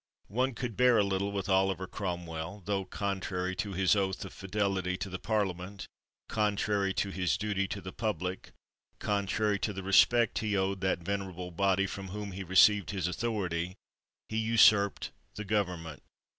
One could bear a little with Oliver Crom well, tho, contrary to his oath of fidelity to the Parliament, contrary to his duty to the public, contrary to the respect he owed that ven erable body from whom he received his author ity, he usurped the government.